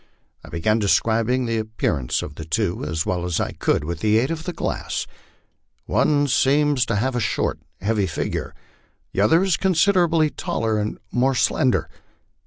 I began describing the appearance of the two as well as I could, with the aid of the glass :" One seems to have a short, heavy figure ; the other is considerably taller and more slender."